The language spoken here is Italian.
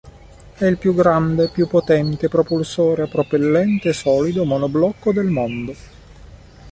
È il più grande e più potente propulsore a propellente solido monoblocco del mondo.